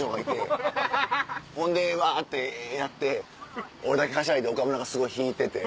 ほんでワってやって俺だけはしゃいで岡村がすごい引いてて。